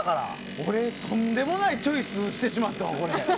俺、とんでもないチョイスをしてしまったわ。